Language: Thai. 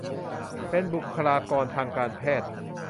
เป็นบุคลากรทางการแพทย์